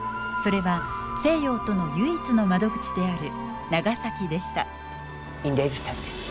それは西洋との唯一の窓口である長崎でした。